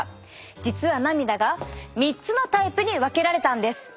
実は涙が３つのタイプに分けられたんです。